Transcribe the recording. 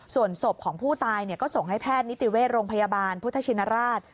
ส่วนศพของผู้ตายก็ส่งให้แพทย์นิติเวชโรงพยาบาลพุทธชินราช